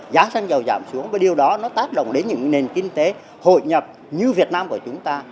giá xăng dầu giảm xuống và điều đó nó tác động đến những nền kinh tế hội nhập như việt nam của chúng ta